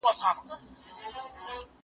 له خالي لوښي لوی اواز راوزي.